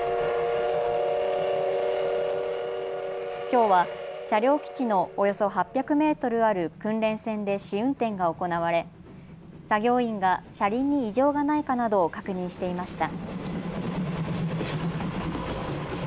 きょうは車両基地のおよそ８００メートルある訓練線で試運転が行われ作業員が車輪に異常がないかなどを確認していました。